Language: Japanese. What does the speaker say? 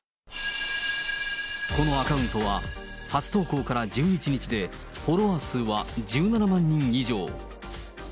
このアカウントは、初投稿から１１日でフォロワー数は１７万人以上。